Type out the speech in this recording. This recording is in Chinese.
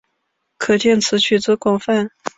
可见此曲之广泛。